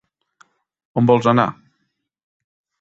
On vols anar?